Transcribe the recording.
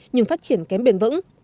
nhưng phát triển kém bền vững